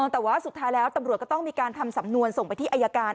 แต่ว่าสุดท้ายแล้วตำรวจก็ต้องมีการทำสำนวนส่งไปที่อายการ